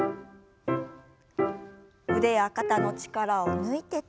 腕や肩の力を抜いて。